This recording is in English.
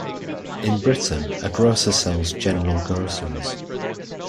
In Britain, a grocer sells general groceries